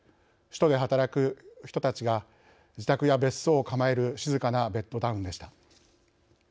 首都で働く人たちが自宅や別荘を構える静かなベッドタウンでした。